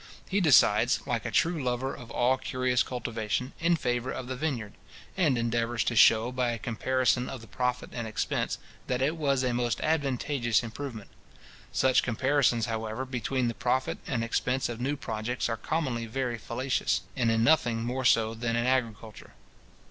He decides, like a true lover of all curious cultivation, in favour of the vineyard; and endeavours to shew, by a comparison of the profit and expense, that it was a most advantageous improvement. Such comparisons, however, between the profit and expense of new projects are commonly very fallacious; and in nothing more so than in agriculture.